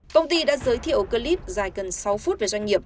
công ty đã giới thiệu clip dài gần sáu phút